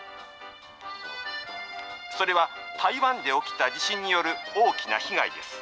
それは、台湾で起きた地震による大きな被害です。